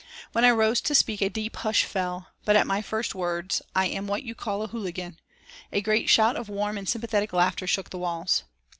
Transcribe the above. When I rose to speak a deep hush fell, but at my first words: "I am what you call a hooligan " a great shout of warm and sympathetic laughter shook the walls.